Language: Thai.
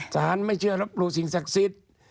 ไม่เชื่อรับรู้สิ่งศักดิ์สิทธิ์